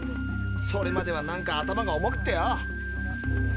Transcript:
それまではなんか頭が重くってよ。